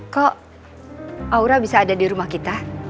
kok aura bisa ada di rumah kita